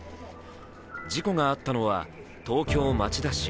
事故があったのは東京・町田市。